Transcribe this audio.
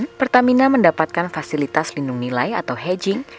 pertamina mendapatkan fasilitas lindung nilai atau hedging